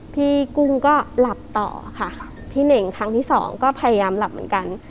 กุ้งก็หลับต่อค่ะพี่เน่งครั้งที่สองก็พยายามหลับเหมือนกัน